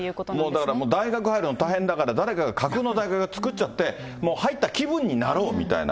もうだから大学入るの大変だから、誰かが架空の大学作っちゃって、もう入った気分になろうみたいな。